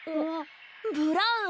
ブラウン！